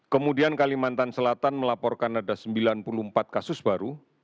kemudian kalimantan selatan melaporkan ada sembilan puluh empat kasus baru